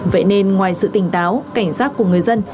vậy nên ngoài sự tỉnh táo cảnh giác của người dân